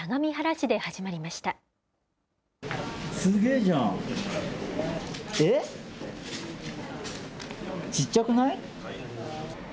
ちっちゃくない？